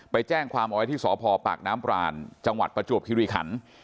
ไปแจ้งความเอาไว้ที่สพปากน้ำปรานจังหวัดประจวบคิริขัน